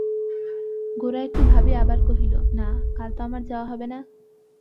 গোরা একটু ভাবিয়া আবার কহিল, না, কাল তো আমার যাওয়া হবে না।